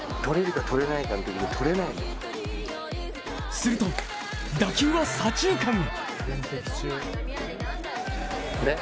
すると打球は左中間に。